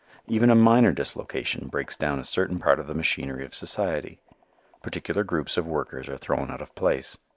Even a minor dislocation breaks down a certain part of the machinery of society. Particular groups of workers are thrown out of place.